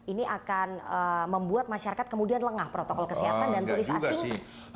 ini akan membuat masyarakat kemudian lengah protokol kesehatan dan turis asing